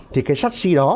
thì cái chassis đó